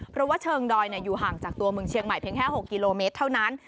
เพราะว่าเชิงดอยอยู่ห่างจากตัวเมืองเชียงใหม่เพียงแค่๖กิโลเมตรเท่านั้น